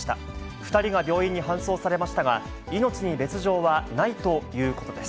２人が病院に搬送されましたが、命に別状はないということです。